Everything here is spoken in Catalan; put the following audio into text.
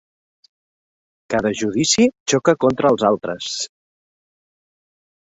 Cada judici xoca contra els altres;